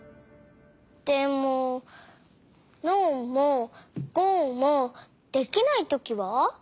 でも「ＮＯ」も「ＧＯ」もできないときは？